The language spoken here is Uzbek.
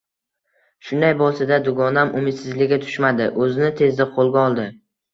Shunday boʻlsa-da, dugonam umidsizlikka tushmadi, oʻzini tezda qoʻlga oldi